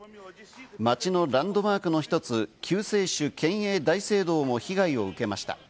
街のランドマークの１つ、救世主顕栄大聖堂も被害を受けました。